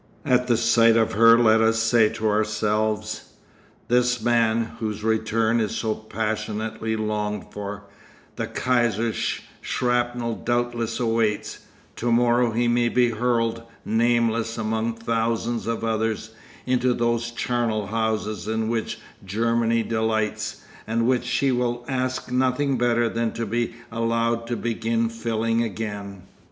At the sight of her let us say to ourselves: "This man, whose return is so passionately longed for, the Kaiser's shrapnel doubtless awaits; to morrow he may be hurled, nameless, among thousands of others, into those charnel houses in which Germany delights, and which she will ask nothing better than to be allowed to begin filling again."